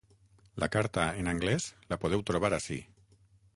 La carta en anglès, la podeu trobar ací.